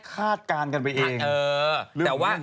คือไม่แค่คาดการณ์กันไปเอง